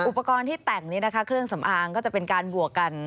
อุปกรณ์ที่แต่งนี้นะคะเครื่องสำอางก็จะเป็นการบวกกัน